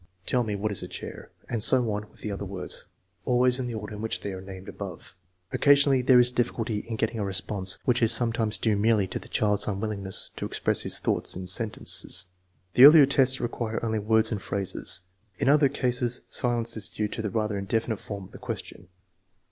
Tell me, what is a chair ?" And so on with the other words, always in the order in which they are named above. Occasionally there is difficulty in getting a response, which is sometimes due merely to the child's unwillingness to express his thoughts in sentences. The earlier tests require only words and phrases. In other cases silence is due to the rather indefinite form of the question.